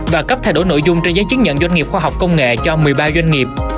và cấp thay đổi nội dung trên giấy chứng nhận doanh nghiệp khoa học công nghệ cho một mươi ba doanh nghiệp